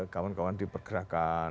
kawan kawan di pergerakan